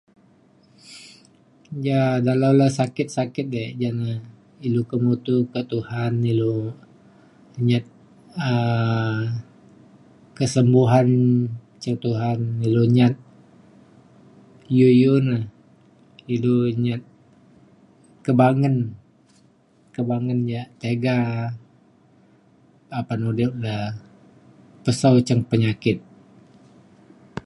ja dalau le sakit sakit di ja na ilu ke mutu ke Tuhan ilu nyat um kesembuhan cin Tuhan ilu nyat iu iu na ilu nyat kebangen kebangen ja tiga apan udip da pesau cin penyakit